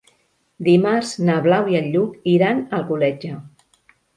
Dimarts na Blau i en Lluc iran a Alcoletge.